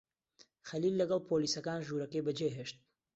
خەلیل لەگەڵ پۆلیسەکان ژوورەکەی بەجێهێشت.